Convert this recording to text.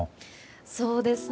そうですね。